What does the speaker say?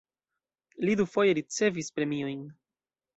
Li dufoje ricevis premiojn.